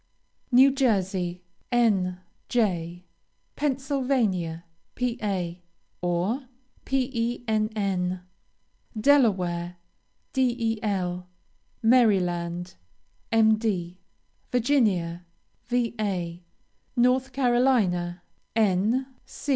New Jersey, N. J. Pennsylvania, Pa., or, Penn. Delaware, Del. Maryland, Md. Virginia, Va. North Carolina, N.